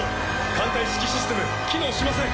艦隊指揮システム機能しません。